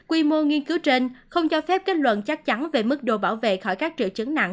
quy mô nghiên cứu trên không cho phép kết luận chắc chắn về mức đồ bảo vệ khỏi các triệu chứng nặng